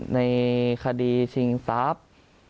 ในคดีชิงทรัพย์